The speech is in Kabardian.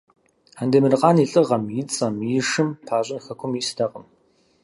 Андемыркъан и лӀыгъэм и цӀэм и шым пащӀын хэкум истэкъым.